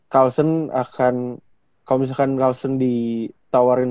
kalau misalkan carlsen ditawarin